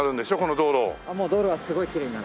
道路はすごくきれいになる。